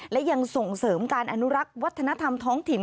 และยังส่งเสริมการอนุรักษ์วัฒนธรรมท้องถิ่น